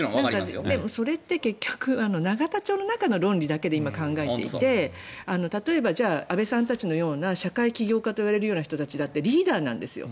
でもそれって結局永田町だけの論理だけで今考えていて例えば安部さんたちのような社会起業家といわれる人たちだってリーダーなんですよ。